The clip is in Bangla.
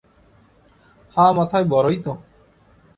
হাঁ মাথায় বড়োই তো।